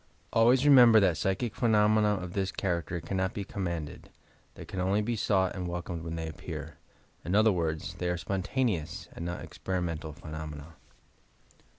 Always remember that psychic phenomena of this character can not be commanded. They can only be sought and wel comed when they appear. In other words, they are "spontaneous" and not "experimental" phenomena.